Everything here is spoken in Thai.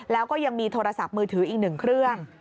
แล้วก็ยังมีโทรศัพท์มือถืออีกหนึ่งเครื่อง